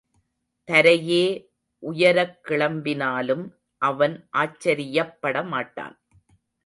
தரையே உயரக் கிளம்பினாலும் அவன் ஆச்சரியப் படமாட்டான்.